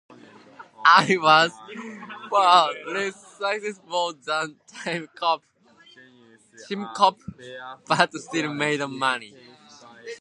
It was far less successful than "Timecop" but still made money.